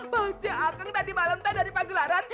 pasti akang tadi malam tadi dari panggelaran